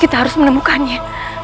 kita harus menemukannya